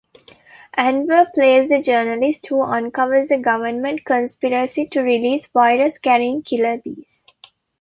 Anwar plays a journalist who uncovers a government conspiracy to release virus-carrying killer bees.